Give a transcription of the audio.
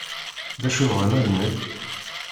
D acu bɣant ad neg?